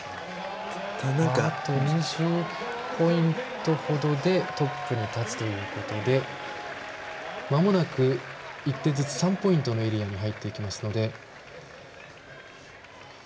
同じポイントほどでトップに立つということでまもなく１手ずつ３ポイントのエリアに入っていきます。